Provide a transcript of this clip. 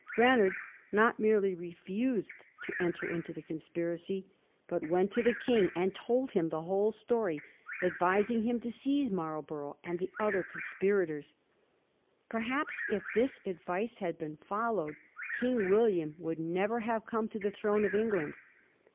Granard not merely refused to enter into the conspiracy, but went to the king and Digiti zed by Google 1714 MARLBOROUGH. 31 told him the whole Btory, advising him to seize Marl borough and the other conspirators. Perhaps if this advice had been followed, King William would never have come to the throne of England.